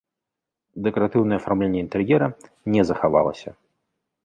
Дэкаратыўнае афармленне інтэр'ера не захавалася.